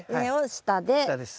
下です。